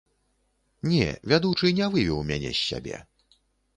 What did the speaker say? Не, вядучы не вывеў мяне з сябе.